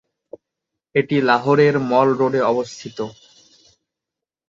এটি লাহোরের মল রোডে অবস্থিত।